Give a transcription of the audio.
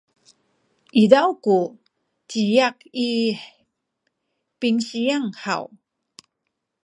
izaw ku ciyak i pinsiyang haw?